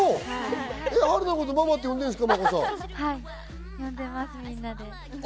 春菜のことをママって呼んでるんですか？